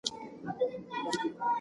د هغې اکاونټ وتړل شو.